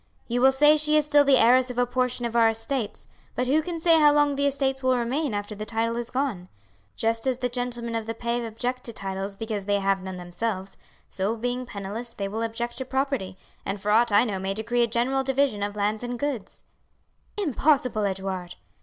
You will say she is still the heiress of a portion of our estates, but who can say how long the estates will remain after the title is gone? Just as the gentlemen of the pave object to titles because they have none themselves, so being penniless they will object to property, and for aught I know may decree a general division of lands and goods." "Impossible, Edouard!"